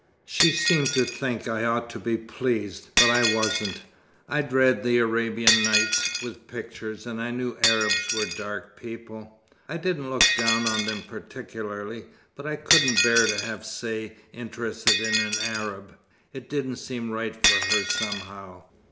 She seemed to think I ought to be pleased, but I wasn't. I'd read the 'Arabian Nights', with pictures, and I knew Arabs were dark people. I didn't look down on them particularly, but I couldn't bear to have Say interested in an Arab. It didn't seem right for her, somehow."